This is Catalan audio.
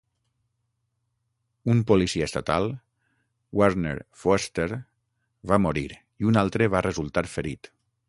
Un policia estatal, Werner Foerster, va morir i un altre va resultar ferit.